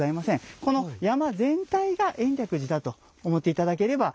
この山全体が延暦寺だと思って頂ければ。